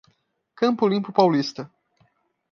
Campo Limpo Paulista